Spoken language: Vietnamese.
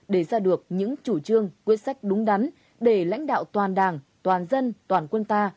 để ra được những chủ trương quyết sách đúng đắn để lãnh đạo toàn đảng toàn dân toàn quân ta